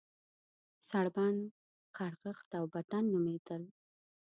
سړبن، غرغښت او بټن نومېدل.